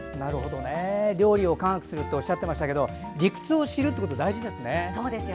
料理を科学するっておっしゃっていましたが理屈を知るのも大事ですね。